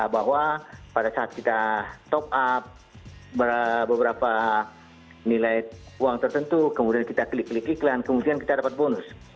bahwa pada saat kita top up beberapa nilai uang tertentu kemudian kita klik klik iklan kemudian kita dapat bonus